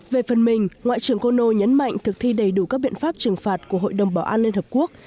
về phần mình ngoại trưởng kono nhấn mạnh thực thi đầy đủ các biện pháp trừng phạt của hội đồng bảo an liên hợp quốc